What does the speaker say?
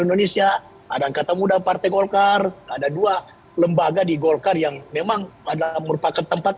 indonesia ada angkatan muda partai golkar ada dua lembaga di golkar yang memang adalah merupakan tempat